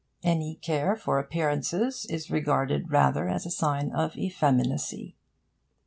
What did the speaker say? Any care for appearances is regarded rather as a sign of effeminacy.